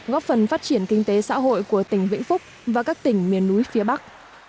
góp phần phát triển kinh tế xã hội của tỉnh vĩnh phúc và các tỉnh miền núi phía bắc